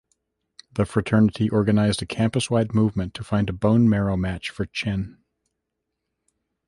The fraternity organized a campus-wide movement to find a bone marrow match for Chen.